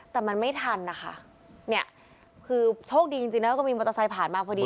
แต่มันไม่ทันนะคะเนี่ยคือโชคดีจริงนะก็มีมอเตอร์ไซค์ผ่านมาพอดี